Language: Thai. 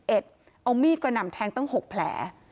เอามีดกระหน่ำแทงตั้ง๖แผล